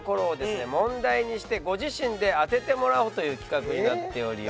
問題にしてご自身で当ててもらおうという企画になっております。